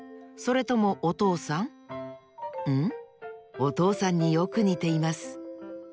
おとうさんによくにています。